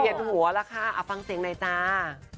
หัวล่ะค่ะเอาฟังเสียงหน่อยจ้า